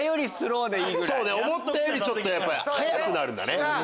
思ったよりちょっとやっぱ速くなるんだね。